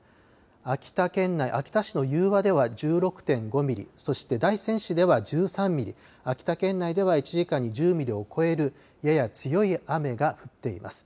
秋田県内、秋田市雄和では１６．５ミリ、そして大仙市では１３ミリ、秋田県内では１時間に１０ミリを超えるやや強い雨が降っています。